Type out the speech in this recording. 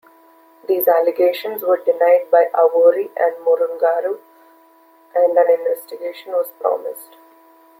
These allegations were denied by Awori and Murungaru and an investigation was promised.